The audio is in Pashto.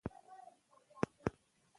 دولت له درې ګونو قواو څخه جوړ دی